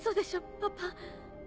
パパ。